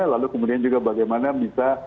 lalu kemudian juga bagaimana bisa